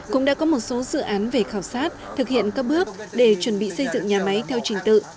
cũng đã có một số dự án về khảo sát thực hiện các bước để chuẩn bị xây dựng nhà máy theo trình tự